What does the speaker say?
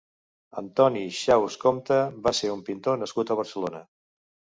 Antoni Xaus Compte va ser un pintor nascut a Barcelona.